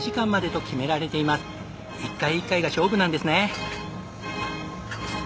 一回一回が勝負なんですね。